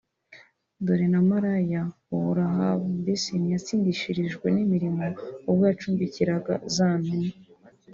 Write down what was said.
Dore na maraya uwo Rahabu mbese ntiyatsindishirijwe n’imirimo ubwo yacumbikiraga za ntumwa